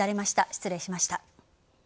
失礼しました。